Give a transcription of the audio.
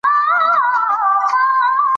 دا شاعري زموږ په اولس کښي رواج ده.